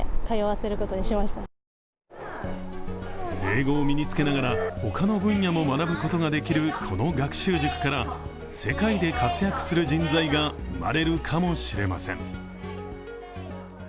英語を身につけながら他の分野も学ぶことができるこの学習塾から世界で活躍する人材が生まれるかもしれません。